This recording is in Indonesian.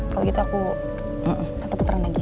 kalau gitu aku satu putaran lagi